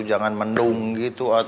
jangan mendung gitu